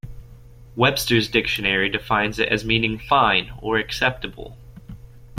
Webster's Dictionary defines it as meaning "fine" or "acceptable".